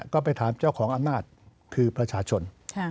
ก็ไปถามเจ้าของอำนาจคือประชาชน